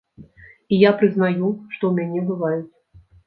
І я прызнаю, што ў мяне бываюць.